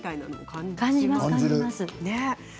感じます。